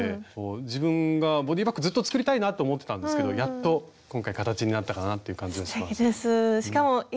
自分がボディーバッグずっと作りたいなと思ってたんですけどやっと今回形になったかなっていう感じがします。